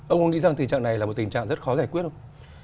ông có nghĩ rằng tình trạng này là một tình trạng rất khó giải quyết không